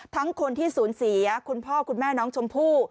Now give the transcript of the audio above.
คนที่สูญเสียคุณพ่อคุณแม่น้องชมพู่